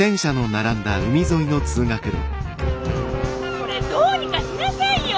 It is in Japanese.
これどうにかしなさいよ。